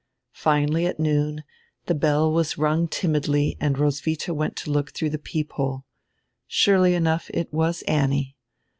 Finally, at noon, die bell was rung timidly and Roswitha went to look through die peephole. Surely enough, it was Annie.